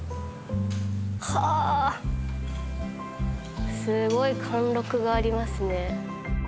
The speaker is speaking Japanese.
はあすごい貫禄がありますね。